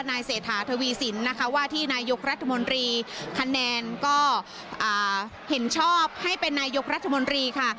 เศรษฐาทวีสินนะคะว่าที่นายกรัฐมนตรีคะแนนก็เห็นชอบให้เป็นนายกรัฐมนตรีค่ะ